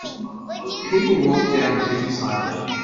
People walk down the busy sidewalk.